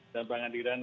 dan pak ngadiran